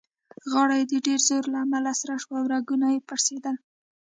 غاړه يې د ډېر زوره له امله سره شوه او رګونه يې پړسېدل.